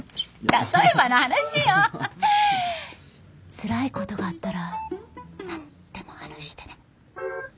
つらいことがあったら何でも話してね。